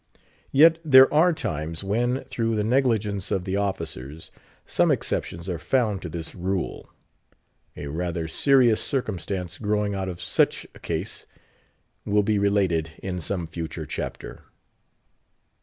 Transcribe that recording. Yet there are times when, through the negligence of the officers, some exceptions are found to this rule. A rather serious circumstance growing out of such a case will be related in some future chapter.